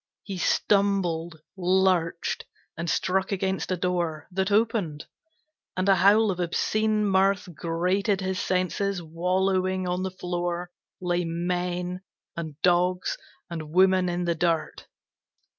He stumbled, lurched, and struck against a door That opened, and a howl of obscene mirth Grated his senses, wallowing on the floor Lay men, and dogs and women in the dirt.